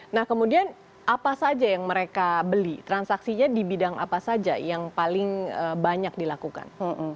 nah kemudian apa saja yang mereka beli transaksinya di bidang apa saja yang paling banyak dilakukan